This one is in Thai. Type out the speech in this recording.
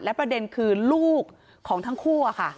ประเด็นคือลูกของทั้งคู่ค่ะ